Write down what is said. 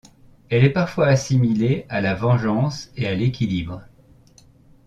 Elle est parfois assimilée à la vengeance et à l'équilibre.